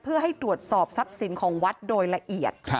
เพื่อให้ตรวจสอบทรัพย์สินของวัดโดยละเอียด